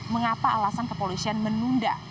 mengapa alasan kepolisian menunda